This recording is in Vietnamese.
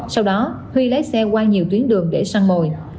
sau đó huy lái xe qua nhiều tuyến đường để săn mồi